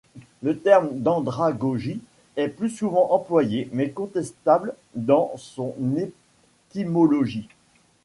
Le terme d'andragogie est plus souvent employé mais contestable dans son étymologie.